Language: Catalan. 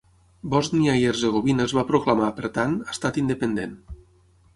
Bòsnia i Hercegovina es va proclamar, per tant, estat independent.